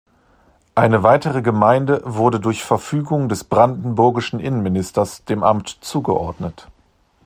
Eine weitere Gemeinde wurde durch Verfügung des brandenburgischen Innenministers dem Amt zugeordnet.